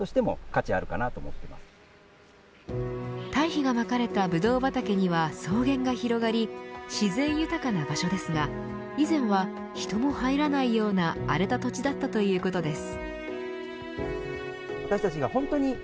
堆肥がまかれたブドウ畑には草原が広がり自然豊かな場所ですが以前は人も入らないような荒れた土地だったということです。